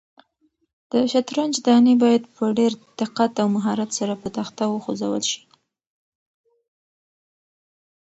د شطرنج دانې باید په ډېر دقت او مهارت سره په تخته وخوځول شي.